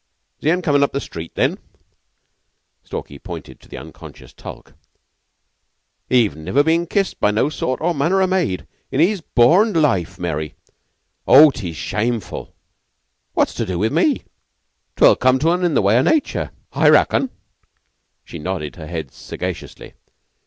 "Zee 'un comin' up street, then?" Stalky pointed to the unconscious Tulke. "He've niver been kissed by no sort or manner o' maid in hees borned laife, Mary. Oh, 'tees shaamful!" "Whutt's to do with me? 'Twill come to 'un in the way o' nature, I rackon." She nodded her head sagaciously.